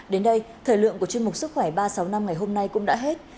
đến đây thời lượng của chương mục sức khỏe ba trăm sáu mươi năm ngày hôm nay cũng đã hết